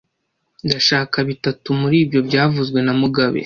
Ndashaka bitatu muri byo byavuzwe na mugabe